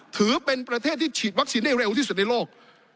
ถือเป็นประเทศที่ฉีดวัคซีนได้เร็วที่สุดในโลก